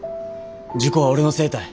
事故は俺のせいたい。